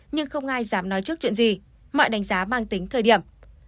nhưng không ai dám nói trước chuyện gì mọi đánh giá mang tính thời điểm